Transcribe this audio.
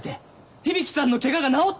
響さんのケガが治って！